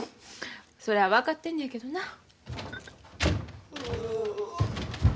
それは分かってんねやけどな。